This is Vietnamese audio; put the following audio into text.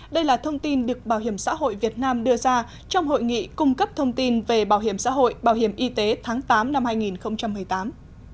đây là thông tin được bảo hiểm xã hội việt nam đưa ra trong hội nghị cung cấp thông tin về bảo hiểm xã hội bảo hiểm y tế tháng tám năm hai nghìn một mươi tám